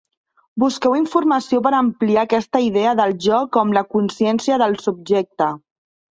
Busqueu informació per ampliar aquesta idea del jo com la consciència del subjecte.